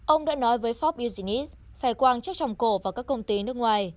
ông đã nói với forbes business phải quăng chất trồng cổ vào các công ty nước ngoài